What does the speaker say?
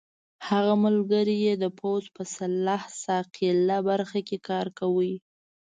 هغه ملګری یې د پوځ په سلاح ساقېله برخه کې کار کاوه.